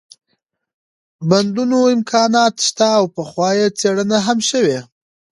بندونو امكانات شته او پخوا يې څېړنه هم شوې